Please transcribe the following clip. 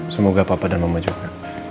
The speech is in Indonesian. semoga papa dan mama juga